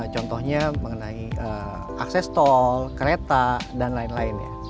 contohnya mengenai akses tol kereta dan lain lain ya